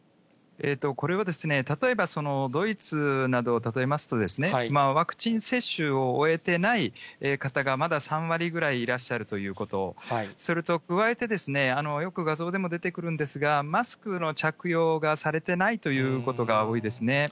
これは例えば、ドイツなどを例えますと、ワクチン接種を終えてない方がまだ３割ぐらいいらっしゃるということ、それと加えて、よく画像でも出てくるんですが、マスクの着用がされてないということが多いですね。